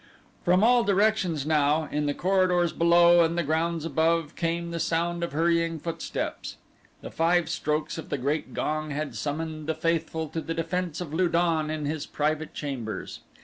From all directions now, in the corridors below and the grounds above, came the sound of hurrying footsteps. The five strokes of the great gong had summoned the faithful to the defense of Lu don in his private chambers.